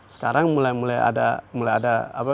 sekarang mulai mulai ada